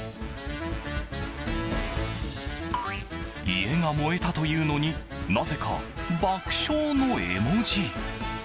家が燃えたというのになぜか爆笑の絵文字。